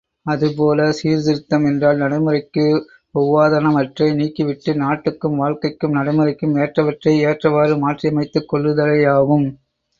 அதுபோல, சீர்திருத்தம் என்றால், நடைமுறைக்கு ஒவ்வாதனவற்றை நீக்கிவிட்டு, நாட்டுக்கும் வாழ்க்கைக்கும், நடைமுறைக்கும் ஏற்றவற்றை ஏற்றவாறு மாற்றியமைத்துக் கொள்ளுதலேயாகும்.